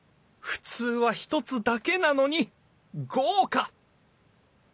普通は１つだけなのに豪華！